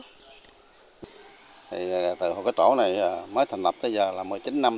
thì từ hồi cái tổ này mới thành lập tới giờ là một mươi chín năm